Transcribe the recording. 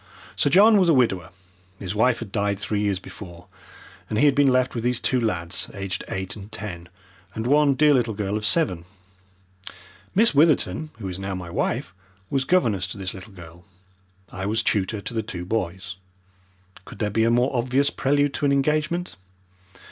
Sir John was a widower his wife had died three years before and he had been left with these two lads aged eight and ten, and one dear little girl of seven. Miss Witherton, who is now my wife, was governess to this little girl. I was tutor to the two boys. Could there be a more obvious prelude to an engagement?